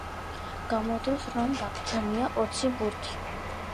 გამოდის, რომ დაგვრჩენია ოცი ბურთი.